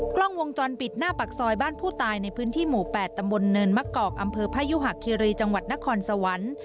กล้องวงจรปิดหน้าปากซอยบ้านผู้ตายในพื้นที่หมู่๘ตำบลเนินมะกอกอำเภอพยุหะคิรีจังหวัดนครสวรรค์